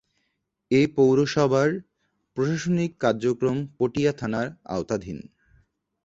এ পৌরসভার প্রশাসনিক কার্যক্রম পটিয়া থানার আওতাধীন।